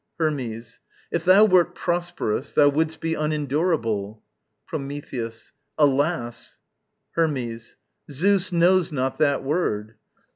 Hermes. If thou wert prosperous Thou wouldst be unendurable. Prometheus. Alas! Hermes. Zeus knows not that word.